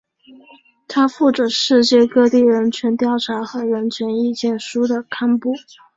它负责世界各地人权调查和人权意见书的刊布。